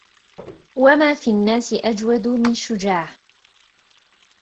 وما في الناس أجود من شجاع